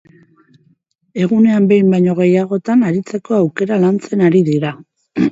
Egunean behin baino gehiagotan aritzeko aukera lantzen ari dira.